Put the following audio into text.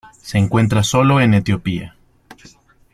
Se encuentra solo en Etiopía.